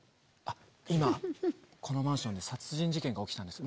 今このマンションで殺人事件が起きたんです。